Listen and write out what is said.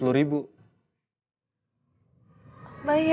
bayar beritanya ya